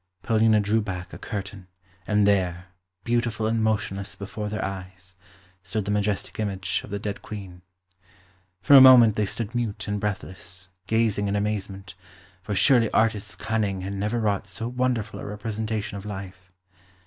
Paulina drew back a curtain, and there, beautiful and motionless before their eyes, stood the majestic image of the dead Queen. For a moment they stood mute and breathless, gazing in amazement, for surely artist's cunning had never wrought so wonderful a representation of life.